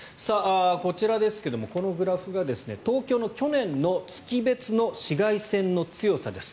こちらですけれどもこのグラフが、東京の去年の月別の紫外線の強さです。